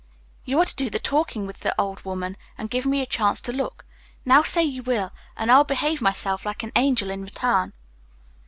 "You are to do the talking with the old woman, and give me a chance to look. Now say you will, and I'll behave myself like an angel in return."